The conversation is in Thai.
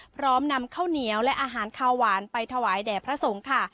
พร้อมนำข้าวเหนียวและอาหารข้าวหวานไปถวายแด่พระสงฆ์ค่ะ